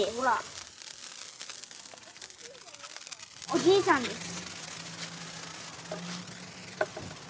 おじいさんです。